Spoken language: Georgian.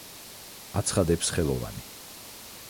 აცხადებს ხელოვანი.